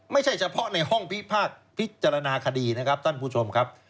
ไม่ใช่เฉพาะในห้องพิพากษ์พิจารณาคดีนะครับท่านผู้ชมครับ